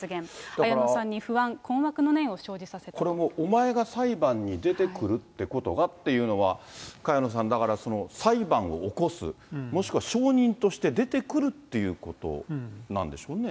綾野さんに不安、これはもうお前が裁判に出てくるってことがっていうのが、萱野さん、だから裁判を起こす、もしくは証人として出てくるっていうことなんでしょうね。